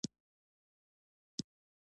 نیت باید چا ته وي؟